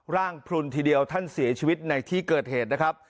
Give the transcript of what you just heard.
พลุนทีเดียวท่านเสียชีวิตในที่เกิดเหตุนะครับ